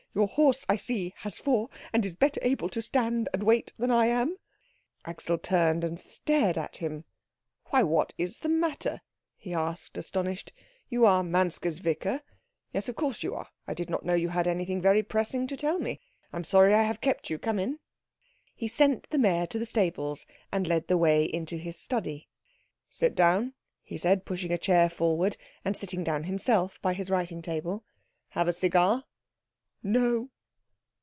Your horse, I see, has four, and is better able to stand and wait than I am." Axel turned and stared at him. "Why, what is the matter?" he asked, astonished. "You are Manske's vicar? Yes, of course you are. I did not know you had anything very pressing to tell me. I am sorry I have kept you come in." He sent the mare to the stables, and led the way into his study. "Sit down," he said, pushing a chair forward, and sitting down himself by his writing table. "Have a cigar?" "No."